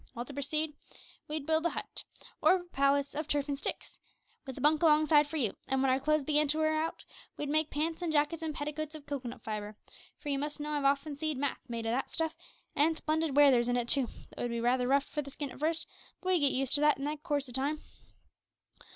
Well, to proceed: we'd build a hut or a palace of turf an' sticks, with a bunk alongside for you; an w'en our clo'se began for to wear out, we'd make pants and jackets and petticoats of cocoanut fibre; for you must know I've often see'd mats made o' that stuff, an' splendid wear there's in it too, though it would be rather rough for the skin at first; but we'd get used to that in coorse o' time.